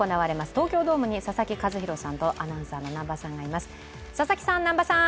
東京ドームに佐々木主浩さんとアナウンサーの南波さんがいます。